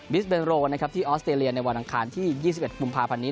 สเบนโรนะครับที่ออสเตรเลียในวันอังคารที่๒๑กุมภาพันธ์นี้